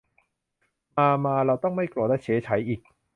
มา มา เราต้องไม่โกรธและเฉไฉอีก